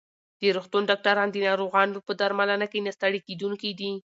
د روغتون ډاکټران د ناروغانو په درملنه کې نه ستړي کېدونکي دي.